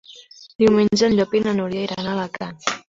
Diumenge en Llop i na Núria iran a Alacant.